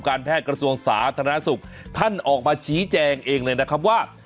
การแพทย์กระทรวงสาธารณสุขท่านออกมาชี้แจงเองเลยนะครับว่า